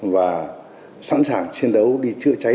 và sẵn sàng chiến đấu đi chữa cháy